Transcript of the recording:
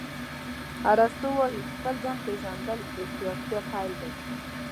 ارسطو وایي خپل ځان پېژندل د هوښیارتیا پیل دی.